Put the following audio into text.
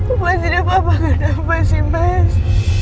apa sih dia papa gak dapet sih mas